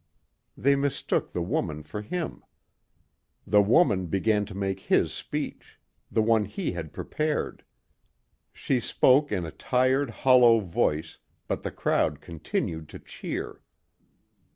They mistook the woman for him. The woman began to make his speech. The one he had prepared. She spoke in a tired, hollow voice but the crowd continued to cheer.